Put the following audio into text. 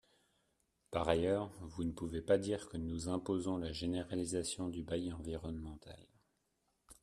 Par ailleurs, vous ne pouvez pas dire que nous imposons la généralisation du bail environnemental.